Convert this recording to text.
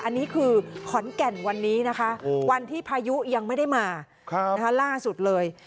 อันนี้คือขอนแก่นวันนี้นะคะวันที่พายุยังไม่ได้มาล่าสุดเลย